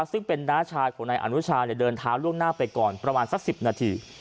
ซึ่งเป็นน้าชายของนายอนุชาเดินเท้าล่วงหน้าไปก่อนประมาณสัก๑๐นาที